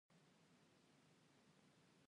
دوی نشي کولای د ډاکټرانو غوندې غلطي پټه کړي.